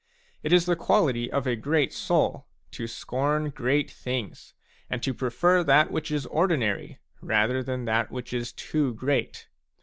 It is the quality of a great soul to scorn great things and to prefer that which is ordinary rather than that which is too great.